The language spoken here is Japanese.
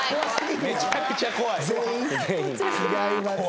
めちゃくちゃ怖い全員違います